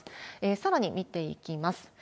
さらに見ていきます。